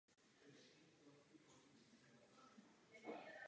Dovolte mi nakonec blahopřát zpravodajům László Surjánovi a Vladimíru Maňkovi.